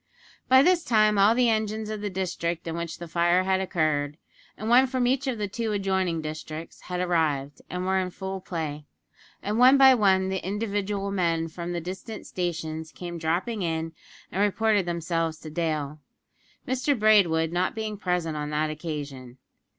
By this time all the engines of the district in which the fire had occurred, and one from each of the two adjoining districts, had arrived, and were in full play, and one by one the individual men from the distant stations came dropping in and reported themselves to Dale, Mr Braidwood not being present on that occasion.